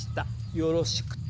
よろしくて？